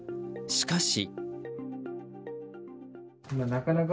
しかし。